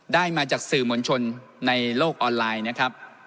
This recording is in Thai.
ได้มาจากสื่อมวลชนในโลกออนไลน์นะครับ